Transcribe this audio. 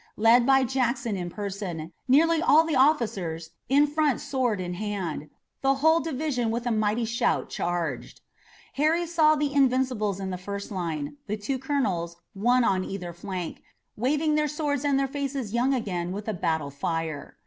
Led by Jackson in person, nearly all the officers in front sword in hand, the whole division with a mighty shout charged. Harry saw the Invincibles in the first line, the two colonels, one on either flank, waving their swords and their faces young again with the battle fire.